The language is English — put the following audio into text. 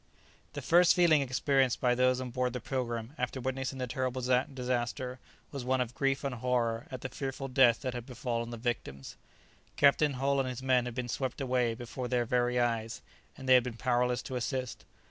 The first feeling experienced by those on board the "Pilgrim," after witnessing the terrible disaster was one of grief and horror at the fearful death that had befallen the victims. Captain Hull and his men had been swept away before their very eyes, and they had been powerless to assist.